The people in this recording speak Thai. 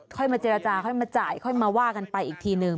ค่อยมาเจรจาค่อยมาจ่ายค่อยมาว่ากันไปอีกทีนึง